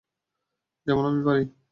যেমন আমি পারি।